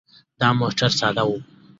دا موټر ساده و.